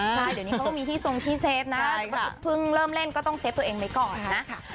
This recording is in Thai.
เดี๋ยวนี้ก็มีที่ส่งที่เซฟนะเพิ่งเริ่มเล่นก็ต้องเซฟตัวเองไปก่อนนะ